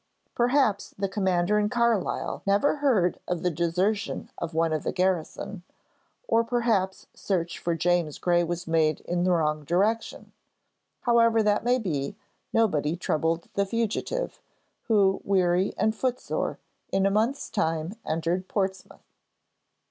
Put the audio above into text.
Perhaps the commander in Carlisle never heard of the desertion of one of the garrison, or perhaps search for James Gray was made in the wrong direction. However that may be, nobody troubled the fugitive, who weary and footsore, in a month's time entered Portsmouth.